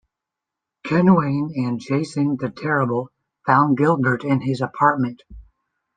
Ken Wayne and Jason The Terrible found Gilbert in his apartment.